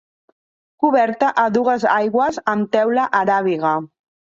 Coberta a dues aigües amb teula aràbiga.